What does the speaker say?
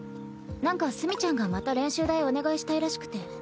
なんか墨ちゃんがまた練習台お願いしたいらしくて。